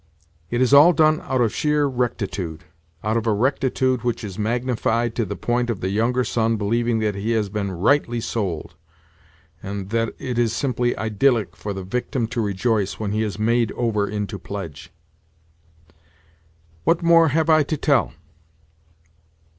It is all done out of sheer rectitude—out of a rectitude which is magnified to the point of the younger son believing that he has been rightly sold, and that it is simply idyllic for the victim to rejoice when he is made over into pledge. What more have I to tell?